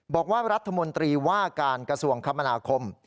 บอกว่ารัฐมนตรีว่าการกระทรวงคมนาคม